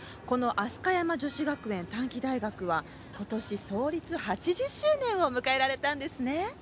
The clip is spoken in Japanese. この飛鳥山女子学園短期大学は今年創立８０周年を迎えられたんですね。